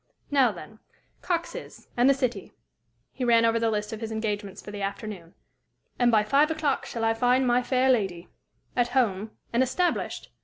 "Now, then, Cox's and the City" he ran over the list of his engagements for the afternoon "and by five o'clock shall I find my fair lady at home and established?